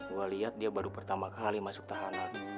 gue lihat dia baru pertama kali masuk tahanan